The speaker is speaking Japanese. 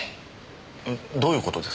えっどういう事です？